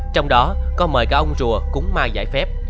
trong đó có mời cả ông rùa cúng ma giải phép